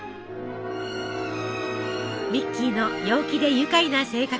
ミッキーの陽気で愉快な性格